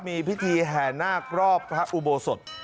มีพิธีแห่นาครอบพระอุโบสถ